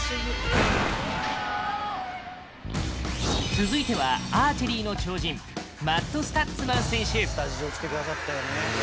続いてはアーチェリーの超人マット・スタッツマン選手。